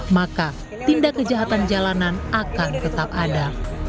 maka tindak kejahatan jalanan akan tetap ada